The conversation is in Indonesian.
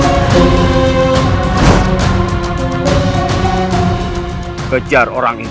aku harus mengejar orang ini